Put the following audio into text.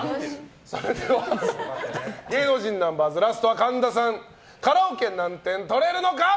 それでは芸能人ナンバーズラストは神田さんカラオケ何点取れるのか。